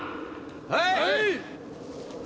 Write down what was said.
はい！